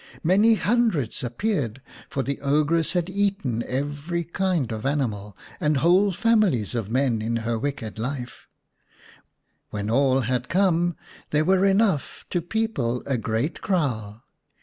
Many hundreds appeared, for the ogress had eaten every kind of animal 76 vii The Three Little Eggs and whole families of men in her wicked life. When all had come there were enough to people a great kraal.